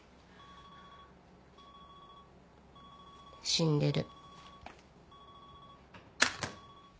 死んでる。